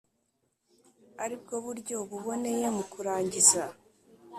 Ari bwo buryo buboneye mu kurangiza